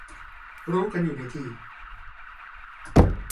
รู้กันอยู่ในที